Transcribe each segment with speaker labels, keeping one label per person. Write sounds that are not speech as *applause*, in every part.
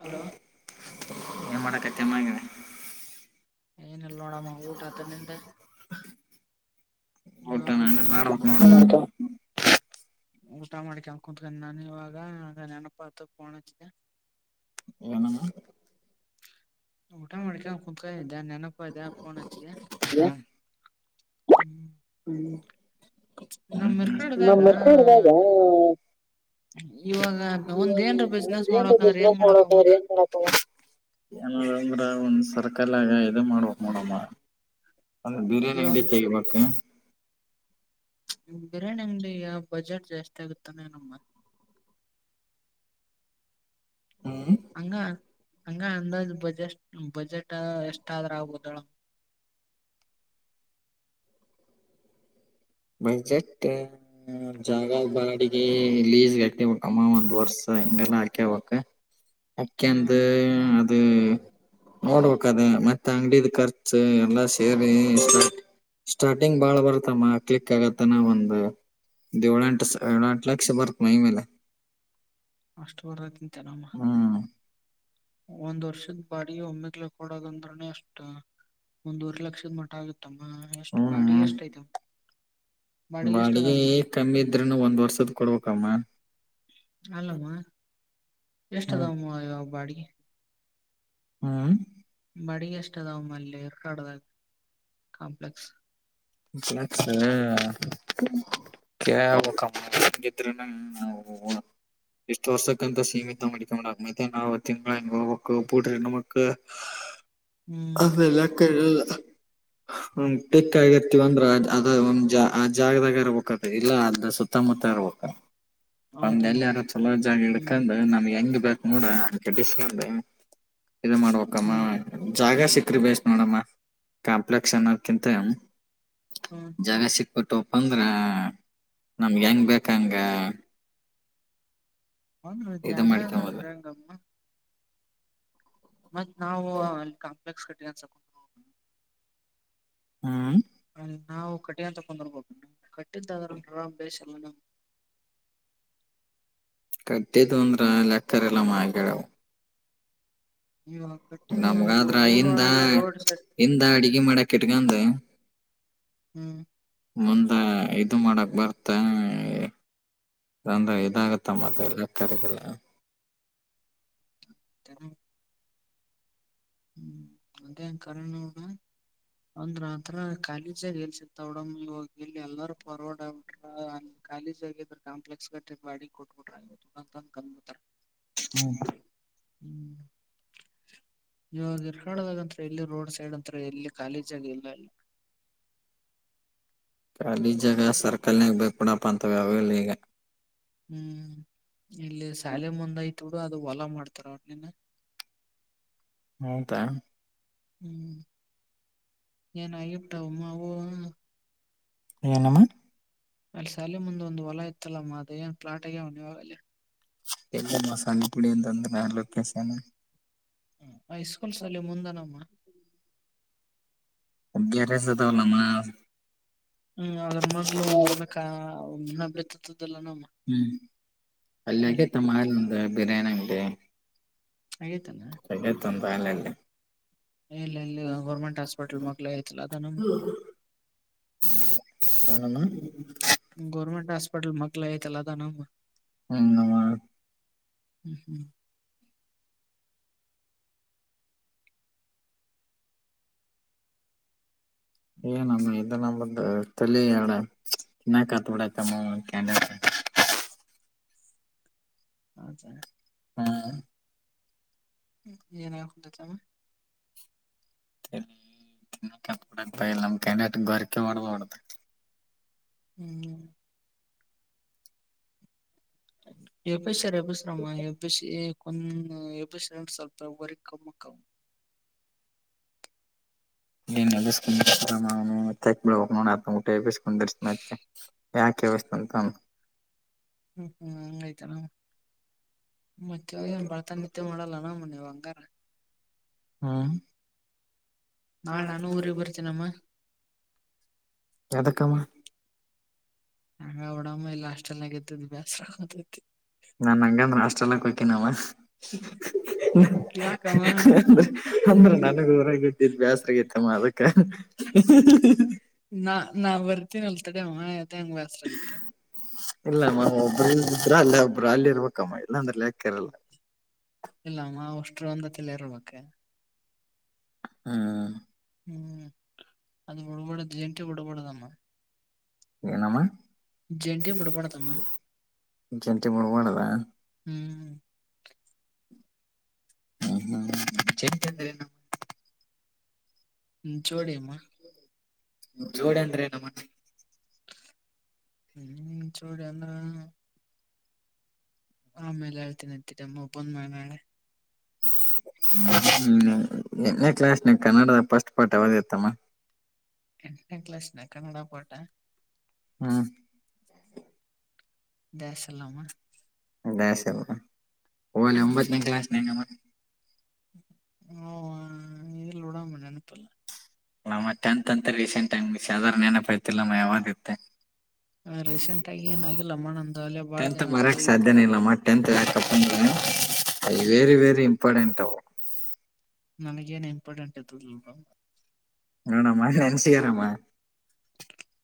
Speaker 1: Hello
Speaker 2: ಎನ ಮಾಡತಿ ಎಾ *unintelligible*
Speaker 1: ಏನ ಇಲ್ಲ ನೋಡಮ್ಮ ಊಟ ಅದ ನಿಂದ
Speaker 2: ಊಟ
Speaker 1: ಇವಾಗ ಮಾಡ್ಕವ
Speaker 2: ಮಾಡಬೇಕು ನೋಡು
Speaker 1: ಊಟ ಮಾಡಿ ಕೆನ್ ಕುತ್ಕೊಂಡಿದ್ದೆ ನಾನು ಇವಾಗ ನೆನಪ್ಪಾ ಆತ್ತು ಫೋನ್ ಹಚ್ಚಿದೆ
Speaker 2: *unintelligible*
Speaker 1: ಊಟ ಮಾಡಿ ಕುತ್ಕೊಂಡು ಇದೆ ನೆನಪ ಆಯಿತ ಫೋನ್ ಹಚ್ಚಿದೆ
Speaker 2: *unintelligible*
Speaker 1: *unintelligible*
Speaker 2: *unintelligible*
Speaker 1: ನಮ್ ಮಿರ್ಕಡ್ದಾಗ ಇವಾಗ ಒಂದ್ ಏನ್ರ ಬಿಸ್ನೆಸ್
Speaker 2: ಏನರೆ
Speaker 1: ಮಾಡಕಂದ್ರ ಏನ್
Speaker 2: ಬಿಸಿನೆಸ್
Speaker 1: ಮಾಡಕವ
Speaker 2: ಮಾಡಬೇಕಂದ್ರ *unintelligible* ಏನ ಅಂದ್ರ ಒಂದ್ *unintelligible* ಇದು ಮಾಡ್ಬೇಕ್ ನೋಡಮ್ಮ ಅಂದ್ರೆ ಬಿರಿಯಾನಿ
Speaker 1: ಇವಾಗ
Speaker 2: ಅಂಗಡಿ ತೆಗಬೇಕು ಎನ್
Speaker 1: ಬಿರಿಯಾನಿ ಅಂಗಡಿ ಯಾವ ಬಜೆಟ್ ಜಾಸ್ತಿ ಆಗುತ್ತಾನ ನಮ್ಮ
Speaker 2: ಹ್ಮ್
Speaker 1: ಹಂಗ ಹಂಗ ಅಂದಾಜ ಬಜೆಟ್ ಬಜೆಟ್ ಎಷ್ಟಾದ್ರ ಆಗಬಹುದೇಳ
Speaker 2: ಬಜೆಟ್ಟ ಜಾಗ ಬಾಡಿಗೆ ಲೀಸ್ಗೆ ಹಟ್ಟಿಬಟ್ಟಮ್ಮ ಒಂದ್ ವರ್ಷ ಹಿಂಗೆಲ್ಲಾ ಹಾಕ್ಯವಕ್
Speaker 1: *inaudible* ಹ್ಮ್
Speaker 2: ಹಾಕೆಂದು ಅದು ನೋಡ್ಬೇಕದ ಮತ್ತೆ ಅಂಗಡಿದ ಖರ್ಚ ಎಲ್ಲ ಸೇರಿ ಸ್ಟಾರ್ಟಿಂಗ್ ಬಾಳ ಬರ್ತ ಮಾ ಕಲಿಕ್ಕ ಆಗತ್ತ ನ ಒಂದು್ ಏಳೆಂಟು ಏಳೆಂಟು ಲಕ್ಷ ಬರ್ತ್ ಮೈ ಮೇಲೆ
Speaker 1: ಅಷ್ಟು ಬರ ತಿಂತೆ ನಮ್ಮ
Speaker 2: ಹ್ಮ್
Speaker 1: ಒಂದ್ ವರ್ಷದ ಬಾಡಿಗೆ ಒಮ್ಮೆಗ್ಲೆಕ್ ಕೊಡೋದಂದ್ರೆ ಅಷ್ಟ ಒಂದವರ್ ಲಕ್ಷದ ಮಟ್ಟ ಆಗ ತಮ್ಮ ಎಷ್ಟು ಬಾಡಿ
Speaker 2: ಹ್ಮ್
Speaker 1: ಎಷ್ಟ ಆಯ್ತ
Speaker 2: ಬಾಡಿಗೆ ಕಮ್ಮಿ ಇದ್ರೂನು ಒಂದ್ ವರ್ಷದ ಕೊಡ್ಬೇಕಮ್ಮ
Speaker 1: ಅಲ್ಲಮ್ಮ ಎಷ್ಟ
Speaker 2: ಹ್ಮ್
Speaker 1: ಅದಮ್ಮ ಒಬ್ ಬಾಡಿಗೆ ಹೂ
Speaker 2: ಹ್ಮ್
Speaker 1: ಬಡಿಿಗೆ ಎಷ್ಟದ ಅವಮ್ಮಲ್ಲಿರ್ಡದಾಗ ಕಾಂಪ್ಲೆಕ್ಸ್
Speaker 2: ಕ ಹೇಳಬೇಕಪ್ಪ ಇದ್ರೂನು ನಾ ಇಷ್ಟು ವರ್ಷಕ್ಕಂತ ಸೀಮಿತ ಮಾಡವಿ ನಾವು ತಿಂಗ್ಟ ನಮಗೆ
Speaker 1: ಹ್ಮ್
Speaker 2: ಆೇಲ್ಲಕ್ಕಡೆಲ್ಲ ಬೆಕ್ಕ ಆಗತ್ತ ಂದ್ರ ಅದ ಒಂದ್ ಆ ಜಾಗದಾಗರ ಬ ಇಲ್ಲ ಅ ಸುತ್ತಮುತ್ತ ಇರ್ಬೇಕ ಒಂದ
Speaker 1: ಹೌದಮ್ಮ
Speaker 2: ಎಲ್ಲಾರ ಚಲೋ ಜಾಗ
Speaker 1: ಹ್ಮ್
Speaker 2: ಇಡ್ಕಂಡ್ ನಮ್ಗೆ ಹೆಂಗ ಬೇಕ್ ನೋಡ ಹಾಂಗ್ ಇ ಮಾಡ್ಬೇಕಮ್ಮ
Speaker 1: ಹ್ಮ್
Speaker 2: ಜಾಗ ಸಿಕ್ಕ್ರಿ ಬೇಸ್ ನೋಡಮ್ಮ ಕಾಂಪ್ಲೆಕ್ಸ್ ಅನ್ನೋಕಿಂತ ಹೆ್
Speaker 1: ಹೂ
Speaker 2: ಜಾಗ ಸಿಕ್ ಬಿಿಟ್ಟುಪ್ಪ ಅಂದ್ರ ನಮ್ಗೆ ಹೆಂಗ್ ಬೇಕ
Speaker 1: ಹೂ ಹಂದ
Speaker 2: ಇದು
Speaker 1: ಜಾಗ ಅಂದ
Speaker 2: ಮಾಡ್ಕೊಂಬೋದು
Speaker 1: ಹೆಂಗಮ್ಮ ಮತ್ ನಾವು ಅಲ್ಲಿ ಕಾಂಪ್ಲೆಕ್ಸ್ ಕಟ್ಟ ಅನ್ಸಕು
Speaker 2: ಹೂ
Speaker 1: ಅ ನಾವು ಕಟ್ಟಿಂತಗೊಂಡರ್ಬೋ ಕಟ್ಟಿದ್ದಾದ್ರ ಬೇಶಾ ಲ್ಲ ನ್
Speaker 2: ಕಟ್ಟಿದ್ದು ಅಂದ್ರ ಲೆಕ್ಕರೆ ಇರಲಮ್ಮ
Speaker 1: ಈ
Speaker 2: ನಮ್ಗಾದ್ರ ಹಿಂದ
Speaker 1: ಸೈಡ್
Speaker 2: ಹಿಂದ ಅಡ್ಗೆ ಮಾಡಾಕ್ ಇಟ್ಕಂಡ್
Speaker 1: ಹೂ
Speaker 2: ಮುಂದ ಇದು ಮಾಡಕ್ ಬರ್ ತಂದ್ರ ಇದಾಗತ್ತಮ್ಮತ್ತ ಎಲ್ಲ ಕಡೆಗೆಲ್ಲ
Speaker 1: ಹ ಹೂ ಅದೇ ಕಾರಣ ಅಂದ್ರ ಆಥರ ಕಾಲೇಜಾಗ ಎಲ್ಸತ್ತಾವಡಮ್ ಇವಾಗ ಎಲ್ಲಿ ಎಲ್ಲಾರೂ ಪಾರ್ವಡ ಖಾಲಿ ಜಾಗ ಕಾಂಪ್ಲೆಕ್ಸ್ ಕಟ್ರಿಪ್ ವಡಿ ಕೊಟಮಟುಂತ ಕಮ್ಮತಾರೆ
Speaker 2: ಹ್ಮ್
Speaker 1: ಹೂ ಹೂ ಇವಾಗ ಎರ್ ಕಾಡದಾಗಂತ ಎಲ್ಲಿ ರೋಡ್ ಸೈಡ್ ಅಂತ ಎಲ್ಲಿ ಕಾಲೇಜ್ ಆಗ ಇಲ್ಲ ಅಲ್ಲಿ
Speaker 2: ಖಾಲಿ ಜಾಗ ಸರ್ಕಲ್ ನಾಗ ಬೈ ಪಡಪ್ಪ ಅಂತ್ಯಾವಲ್ಲ ಈಗ
Speaker 1: ಹೂ ಇಲ್ಲಿ ಶಾಲೆ ಮುಂದ್ಯ್ತು ಬಿಡು ಅದು ಹೊಲಾ ಮಾಡ್ತಾರ ಒಟ್ಲಿನ
Speaker 2: ಹೌದಾ
Speaker 1: ಹೂ ಏನಾಗಿಟ್ಟವು ಮಾವು
Speaker 2: ಏನಮ್ಮ
Speaker 1: ಅಲ್ಲಿ ಸಾಲೆ ಮುಂದ್ ಒಂದು ಹೊಲ ಇತ್ತಲ್ಲಮ್ಮ ಅ ಏನ್ ಪ್ಲಾಟ್ ಆಗ್ಯ ಇವಾಗಲ್ಲಿ
Speaker 2: *unintelligible*
Speaker 1: ಹ *unintelligible* ಅಲ್ಲೇ ಮುಂದ ನಮ್ದು.
Speaker 2: *unintelligible* ಹ್ಮ್
Speaker 1: *unintelligible*
Speaker 2: ಹ್ಮ್
Speaker 1: ಅಲ್ಲಿ
Speaker 2: *unintelligible*
Speaker 1: ಆಗೇತನ
Speaker 2: *unintelligible*
Speaker 1: ಇಲ್ಲ ಇಲ್ಲಿ ಗೌರ್ಮೆಂಟ್ ಹಾಸ್ಪಿಟಲ್
Speaker 2: ಏನಮ್ಮ
Speaker 1: *unintelligible* ಗೌರ್ಮೆಂಟ್ ಹಾಸ್ಪಿಟಲ್ ಮಗ್ಲೇ ಆಯ್ತಲ್ಲ ಅದ.
Speaker 2: ಹ್ಮ್ ನಮ್ಮ.
Speaker 1: ಹ್ಮ್ ಹ್ಮ್
Speaker 2: *unintelligible*
Speaker 1: *unintelligible*
Speaker 2: ಹ್ಮ
Speaker 1: *unintelligible*
Speaker 2: ಬರ್ತಾಯಿಲ್ಲ ಚೆನ್ನಾಗಿ ಗೊರಕೆ ಮಾಡಡ್ದ ಹೊಡ್ರ
Speaker 1: *unintelligible* ಎಬ್ಬಿಸಿರ್ ಎಬ್ಬಿಸಿ ಮ್ಮ ಹೆಬ್ಬಿಸಿಂದ ಹೆಬ್ಬಸ ಸ್ವಲ್ಪ ಊರಿ *unintelligible*
Speaker 2: *unintelligible* ಯಾಕೆ ಎಬ್ಬಿಸ್ತಾರೆ.
Speaker 1: ಹ್ಮ್ ಹ್ಮ್ ಆಯ್ತ *unintelligible*
Speaker 2: ಹ್ಮ್
Speaker 1: ನಾಳೆ ನಾನು ಊರಿಗೆ ಬರ್ತೀನಿ ಅಮ್ಮ.
Speaker 2: ಯದಕ್ಕ.
Speaker 1: *unintelligible*
Speaker 2: ನಾ ನಂಗಂದ್ರ ಹಾಸ್ಟೆಲ್ *unintelligible*
Speaker 1: ಯಾಕಮ್ಮ
Speaker 2: *unintelligible* ಅಂದ್ರ ನನಗ ಊರಾಗ್ದಿದ ಬೇಸ್ರಗತ್ತಮ್ಮ ಅದಕ್ಕ. *unintelligible*
Speaker 1: ನಾ ನಾ ಬರ್ತನಲ್ಲ ತಾಡಿ *unintelligible*
Speaker 2: ಇಲ್ಲಮ್ಮ ಒಬ್ರ ಇ್ರ ಅಲ್ಲಿ ಒಬರು ಅಲ್ಲಿ ಇರ್ಬೇಕಮ್ಮ ಇಲ್ಲಾಂದ್ರ ಲೆಕ್ಕಿರಾಳಲ್ಲ..
Speaker 1: ಇಲ್ಲಮ್ಮ ಹಾಸ್ಟೇಲ್ ಅಂದ್ರೆ ಇಲ್ಲೇ ಇರ್ಬೇಕು.
Speaker 2: ಹಾ
Speaker 1: ಹ್ಮ್ ಅದು ಬಿಡ್ಬಡದು ಜಂಟಿ ಬಿಡಬಾರದಮ್ಮ
Speaker 2: ಏನಮ್ಮ
Speaker 1: ಜಂಟಿ ಬಿಡ್ಬಾರ್ದಮ್ಮ
Speaker 2: ಜಂಟಿ ಬಿಡಬಾರದ.
Speaker 1: ಹ್ಮ್.
Speaker 2: ಹ್ಮ್ ಹ್ಮ್ ಜಂಟಿ ಅಂದ್ರ ಏನಮ್ಮ
Speaker 1: ಹ್ಮ ಜೋಡಿಯಮ್ಮ.
Speaker 2: ಅಂದ್ರೆ ನಮ್ಮ.
Speaker 1: ಹ್ಮ್ *unintelligible* ಆಮೇಲೆ ಹೇಳ್ತೀನ ಅಂತೀರಿಮ್ಮ ಬಂದ್ಮೇಲೆ ಹೇಳಿ
Speaker 2: ಹ್ಮ ಎಂಟನೇ ಕ್ಲಾಸ್ನ ಕನ್ನಡದ ಫಸ್ಟ್ ಪಾಠ ಯಾವದ ಇತ್ತಮ್ಮ.
Speaker 1: ಎಂಟನೇ ಕ್ಲಾಸ್ಮೇನಗ ಕನ್ನಡ ಪಾಠ.
Speaker 2: ಹ್ಮ
Speaker 1: *unintelligible*
Speaker 2: ಡ್ಯಾಶ ಎ ಓಲ್ಲ ಒಂಬತ್ತನೇ ಕ್ಲಾಸ್ನ *unintelligible*
Speaker 1: ಹ ಇಲ್ಲಿ ನಡಂಬ *unintelligible* ನೆನಪಲ್ಲ
Speaker 2: ಅಮ್ಮ ಟೆಂತ್ ಅಂತ ರೀಸೆಂಟ ಆ *unintelligible* ಯಾರ ನೆನಪ ಇರ್ತಿಲ್ಲಮ್ಮ ಯಾವಾಗತ್ತೆ
Speaker 1: ರೀಸೆಂಟ್ ಆಗಿ ಏನ ಆಗಿಲ್ಲಮ್ಮ ನಂದು ಅಲ್ಲೇ ಬಾಳ ದಿನ
Speaker 2: ಟೆಂತ
Speaker 1: ಆತ
Speaker 2: ಮರಿಯಾಕ್ ಸಾಧ್ಯನೇ ಇಲ್ಲ ಮತ್ತೆ ಪ್ದು *unintelligible* ವೆರಿ -ವೆರಿ ಇಂಪಾರ್ಟೆಂಟ್ ಅವು
Speaker 1: ನನಗ ಏನ್ ಇಂಪಾರ್ಟೆಂಟ್ ತಲ್ *unintelligible*
Speaker 2: ಹಣಾಮನ್ಸಾರಾಮ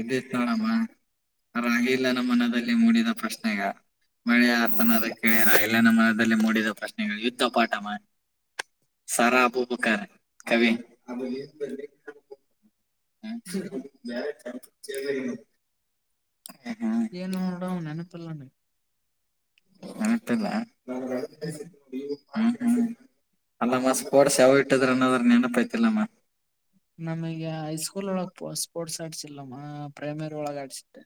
Speaker 2: ಎಣಾಮ *unintelligible* ರಾಗಿ ಇಲ್ಲ ನಮ್ಮ ಮನದಲ್ಲಿ ಮೂಡಿದ ಪ್ರಶ್ನೆಗ ಮಳೆ ಆರ್ತನ ಕೇಳರ ಎಲ್ಲ ನ ಮನದಲ್ಲಿ ಮೂಡಿದ ಪ್ರಶ್ನೆಗಳು ಯುದ್ಧ ಪಾಠ ಮಾನ್ 'ಸಾರಾ ಅಬ್ಬುಬಕರ್' ಕವಿ ಹ ಬೇರೆ ಕ ಕೇಳ್ದ *inaudible*
Speaker 1: ಏನೋಡ ಅವ ನೆನಪಿಲ್ಲ ನನಗ
Speaker 2: ನೆನಪಿಲ್ಲಾ *unintelligible*
Speaker 1: ನನಗೆ
Speaker 2: ಅಲ್ಲಮ್ಮ ಸ್ಪೋರ್ಟ್ಸಯಾವಗ ಇಟ್ಟಿದ್ರ ಅನ್ನೋದ್ರ ನೆನಪ ಐತಿಲ್ಲಮ್ಮ.
Speaker 1: ನಮಗೆ ಹೈಸ್ಕೂಲ್ ಒಳಗ್ ಸ್ಪೋರ್ಟ್ಸ್ ಆಡ್ಸಿಲ್ಲಮ್ಮ ಪ್ರೈಮರಿ ಒಳಗ ಆಡ್ಸಿದ್ದೆ.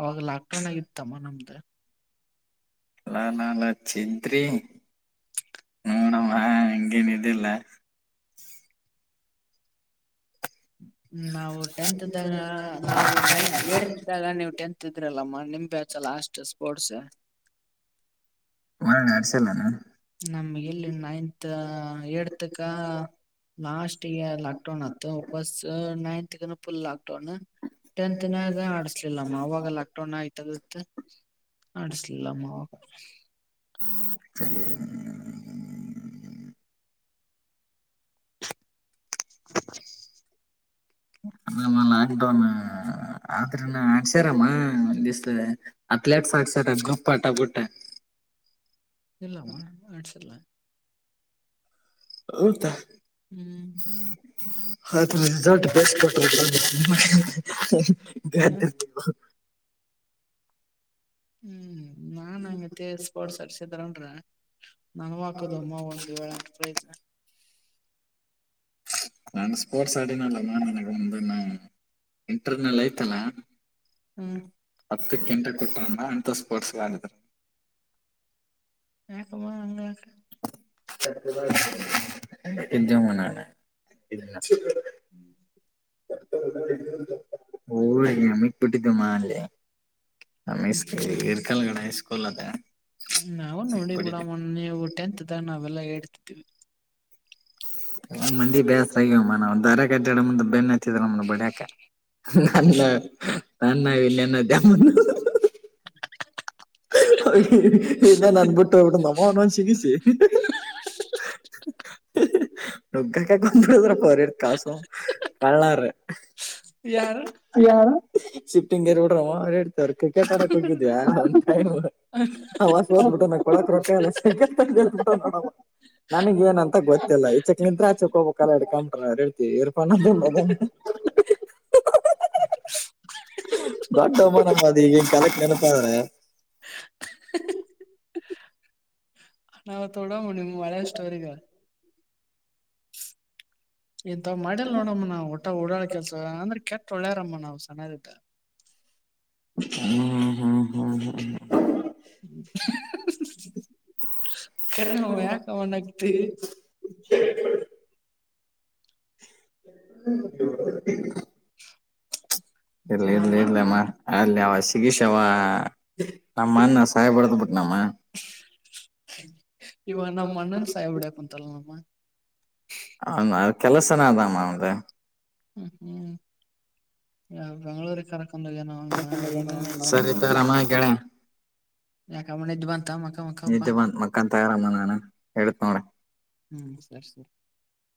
Speaker 1: ಅವಾಗ ಲಾಕ್ಡೌನ್ ಆಗಿತ್ತಮ್ಮ ನಮ್ದ.
Speaker 2: ಲಾಲಾಲಚ್ಚತ್ರಿ ನೋಡಮ್ಮ ಹಂಗೇನ ಇದಿಲ್ಲಾ
Speaker 1: ನಾವು ಟೆಂತ್ ಇದ್ದಾಗ ನಾವು ನ ಹೇಡ್ತಿದ್ದಾಗ, ನೀವು ಟೆಂತ್ -ದ್ರಲ್ಲಮ್ಮ ನಿಮ್ಮ ಬ್ಯಾಚ ಲಾಷ್ಟು ಸ್ಪೋರ್ಟ್ಸ್
Speaker 2: ಹನ ಅಸಲ್ಲಾನ *unintelligible*
Speaker 1: ನಮ್ಗ ಎಲ್ಲಿ ನೈನ್ತ್ ಎಡ್ತಕ್ಕ ಲಾಸ್ಟ್ ಇಯರ್ ಲಾಕ್ಡೌನ್ ಆತ್ತು ಬಸ್ ninth full lockdown tenth ನಾಗ ಆಡ್ಸ್ ಇಲ್ಲಮ್ಮ ಆವಾಗ ಲಾಕ್ ಡೌನ್ ಆಯ್ತದ ಆಡಿಸಲಿಲ್ಲಮ್ಮವಾಗ.
Speaker 2: ಸ *inaudible*
Speaker 1: *inaudible*
Speaker 2: ಅಲ್ಲಅಮ್ಮ ಲಾಕ್ಡೌನ್ ಆದ್ರ ಆಡ್ಸ್ಯಾರಮ್ಮ ಒಂದ ದವಸ್, ಅಥ್ಲೆಟ್ಸ್ ಆಡ್ಸರಸ ಗುಂಪಾಟ ಬುಟ್ಟ
Speaker 1: ಇಲ್ಲಾಮಾ ಆಡ್ಸಿಲ್ಲ
Speaker 2: ಹಊದಾ *inaudible*
Speaker 1: ಹ್ಮ್
Speaker 2: ಹಾಟ ಬಸ್ ಕಟ್ಟ *unintelligible* ಹ *inaudible*
Speaker 1: ಹ್ಮ್, ನಾನ್ಂಗತ್ತೆ ಸ್ಪೋರ್ಟ್ಸ್ ಆಡ್ಸಿದ್ರಂದರ ನನ್ವ ಹಾಕ್ತಿದ್ದವ ಅಮ್ಮ ಒಂದ್ ಏಳ, ಎಂಟು ಪ್ರೈಸ್
Speaker 2: ನಾನು ಸ್ಪೋರ್ಟ್ಸ್ ಅಡನ ಅಲ್ಲಮ್ಮ ನನಗೆ ಒಂದ್ಣೆ *unintelligible* ಇಂಟರ್ನಲ್ ಐ್ತಲ್ಲ
Speaker 1: ಹ್ಮ್
Speaker 2: ಹತ್ತು ಗಂಟೆ ಕೊಟ್ಟಣ್ಣ *unintelligible* ಅಂತ ಸ್ಪೋರ್ಟ್ಸ್ ಆಗಿದ್ರ
Speaker 1: ಯಕಬ ಅಂಗ *unintelligible*
Speaker 2: ಇದ್ಯಮನಾನ ಇ *unintelligible* ಓ ಮಿಟ್ಟ್ಟಿದ್ದ ಮಾನ್ಲ್ಲ *unintelligible* ನಮ್ಮ
Speaker 1: ಹ್ಮ್
Speaker 2: ಗರ್ಕಲ್ಗಡೆ ಸ್ಕೂಲ್ ಅದಡ
Speaker 1: ಹ್ಮ್ ನಾವು ನೋಡಿ
Speaker 2: *unintelligible*
Speaker 1: ಬಿಡಮ್ಮ ನೀವು ಟೆಂತ್ಇದ್ದಾಗ ನಾವೆಲ್ಲಾ ಎಡ್ತಿದ್ದೀವಿ.
Speaker 2: ಮಂದಿಗಿ ಬ್ಯಾಸ್ರ ಆಗವ ಮನಾವದಾರ ಅಡ್ಡಾಡ ಮುಂದೆ ಬೆನ್ನಿ ನಮ್ಮ ಬಡಕ ನ ನನ್ನನ್ನೆನ್ನ *unintelligible* ಇನ್ನನ್ ಅನ್ಬಿಟ್ಟು ಇಡ ನಮ್ಮನ್ ಒನ್ ಶಗಿಸಿ *unintelligible* *unintelligible* ಕಳರು
Speaker 1: ಯಾರು
Speaker 2: ಶಿಫ್ಟಿಂಗ್ಗೆರ್ ಬಿಟ್ಟವ ಸರ್ ಕ್ರಿಕೆಟ್ ಆಡೋಕೆ ಹೋಗಿದ್ಯಾ ಅವತ್ತು *unintelligible* ನನಗ ಏನಂತ ಗೊತ್ತಿಲ್ಲ ಈಚಕ್ ತಿಂತ್ರೆ ಆಚಾಕ್ ಹೋಗ್ಬೇಕ ಇಡ್ಕೊಂ ಬ್ರೋ *unintelligible* *unintelligible*
Speaker 1: ನಾವು ತೋಡಳೋಣ ನಿಮ್ಮ ಹಳೆ ಸ್ಟೋರಿಗ. ಇಂಥವ್ ಮಾಡಲ್ ನೋಡಮ್ಮ ನಾವ್ ಊಟ ಓಡಾಡ್ ಕೆಲ್ಸ ಅಂದ್ರೆ ಕೆಟ್ಟ ಒಳ್ಳ್ಯಾರಮ್ಮ ನಾವ್ ಕೆಟ್ಟ ಒಳ್ಳೆಯವರಮ್ಮ ಸಮಾಜಕ್ಕ.
Speaker 2: *unintelligible*
Speaker 1: *inaudible* ಕರೇನ ಯಾಕವ್ವಾ ನಗ್ತಿ.
Speaker 2: *inaudible*
Speaker 1: *inaudible*
Speaker 2: ಇಲ್ಲ ಇಲ್ಲಿ
Speaker 1: ನಮ್ಮನ್
Speaker 2: ಇಲ್ಲಮ್ಮ. ಅಲ್ಲಿ ಅವ ಸಿಗೀಸ ಅವ ನಮ್ಮಣ ಸಹಾಯ ಬಡದ್ ಬಿಟ್ ನಮ್ಮ.
Speaker 1: ಇವ ನಮ್ಮ ಅಣ್ಣನ್ ಸಹಿಬಡ ಕುಂತಲ್ಲ ನಮ್ಮ.
Speaker 2: ಹೌದ ಕೆಲಸನ ಅದಾಮಮ್ಮ ಅವಂದು
Speaker 1: ಹ್ಮ್ ಹ್ಮ್ ಯ ಬೆಂಗಳೂರಿಗೆ ಕರ್ಕೊಂಡೋಗ ಏನೇನ್ ಆಯ್ತ
Speaker 2: ಸರಿ
Speaker 1: ನೋಡ.
Speaker 2: ತಗರಮ್ಮ ಗೆಳೆಯ
Speaker 1: ಯಾಕೆ ನಿದ್ರೆ ಬಂತ ಮಕ್ಕ ಮಕ್ಕ.
Speaker 2: ಕಂತಯರಮ್ಮ ನಾನು ಹೇಳೇತತ್ ನೋಡ್ರ.
Speaker 1: ಹು ಅಷ್ಟೇ.